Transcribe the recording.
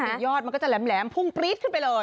ยอดมันก็จะแหลมพุ่งปรี๊ดขึ้นไปเลย